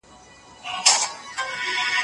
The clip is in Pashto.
ایا انا به وکولای شي چې خپل قهر کنټرول کړي؟